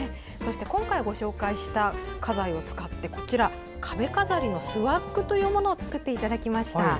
今回ご紹介した花材を使って壁飾りのスワッグというものを作っていただきました。